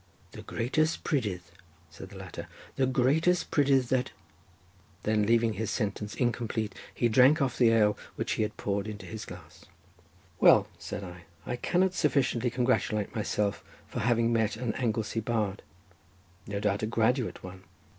"The greatest prydydd," said the latter, "the greatest prydydd that—" and leaving his sentence incomplete he drank off the ale which he had poured into his glass. "Well," said I, "I cannot sufficiently congratulate myself, for having met an Anglesey bard—no doubt a graduate one.